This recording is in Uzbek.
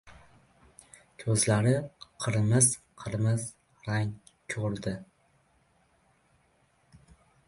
Ko‘zlari qirmiz-qirmiz rang ko‘rdi.